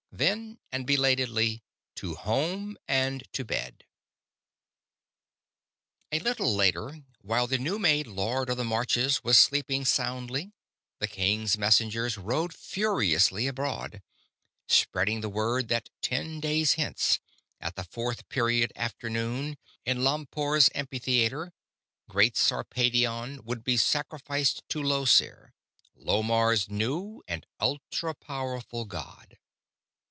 Then, and belatedly, to home and to bed. A little later, while the new made Lord of the Marches was sleeping soundly, the king's messengers rode furiously abroad, spreading the word that ten days hence, at the fourth period after noon, in Lompoar's Amphitheater, Great Sarpedion would be sacrificed to Llosir, Lomarr's new and Ultra powerful god.